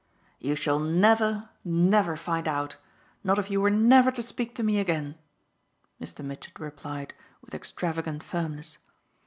"You shall never, never find out not if you were never to speak to me again," Mr. Mitchett replied with extravagant firmness.